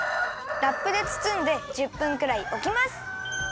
ラップでつつんで１０分くらいおきます！